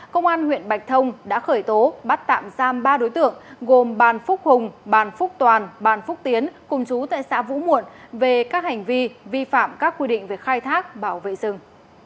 công an huyện bạch thông đã khởi tố bắt tạm giam ba đối tượng gồm bàn phúc hùng bàn phúc toàn bàn phúc tiến cùng chú tại xã vũ muộn về các hành vi vi phạm các quy định về khai thác bảo vệ rừng